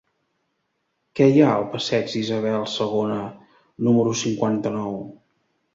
Què hi ha al passeig d'Isabel II número cinquanta-nou?